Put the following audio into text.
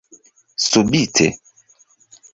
subite